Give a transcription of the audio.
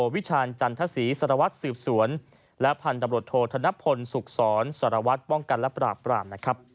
วิชานสะระวัตต์และสุขสรสระวัตต์ปวงกันและปลาบปร่าม